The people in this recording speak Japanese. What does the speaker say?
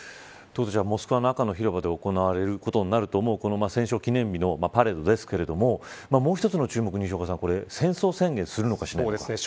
当然、モスクワの赤の広場で行われることになると思う戦勝記念日のパレードですがもう一つの注目は戦争宣言をするのかしないのか。